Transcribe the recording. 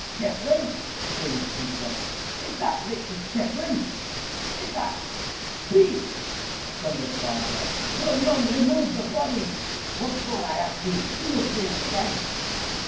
"Checkley!" screamed Peter. "Is that Richard Checkley? is that " "Peace!" thundered Barbara; "will none remove the body? Once more I ask you, do you fear the dead?"